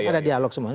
ada dialog semua